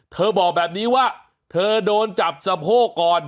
บอกแบบนี้ว่าเธอโดนจับสะโพกก่อน